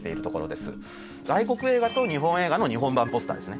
外国映画と日本映画の日本版ポスターですね。